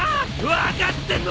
分かってんのか！？